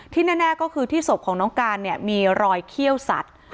แน่ก็คือที่ศพของน้องการเนี่ยมีรอยเขี้ยวสัตว์